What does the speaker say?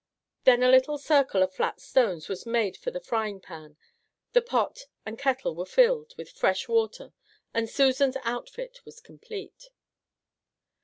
Then a little circle of flat stones was made for the frying pan, the pot and kettle were filled with fresh water, and Susan's outfit was complete.